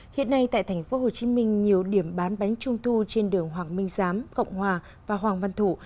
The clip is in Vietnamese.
hiện nay tại tp hcm nhiều điểm bán bánh trung thu trên đường hoàng minh giám cộng hòa và hoàng văn thủ